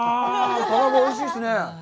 卵、おいしいですね。